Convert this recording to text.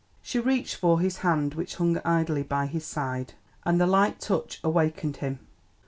She reached for his hand which hung idly by his side, and the light touch awakened him.